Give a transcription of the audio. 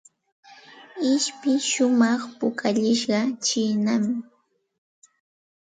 Ishpi shumaq pukallishqa chiinam.